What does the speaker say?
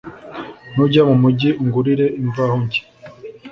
Nujya mu mugi ungurire imvaho nshya